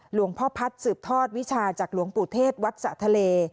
หลวงพ่อพัฒน์สืบทอดวิชาจากหลวงปู่เทศวัดสะทะเล